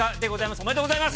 おめでとうございます。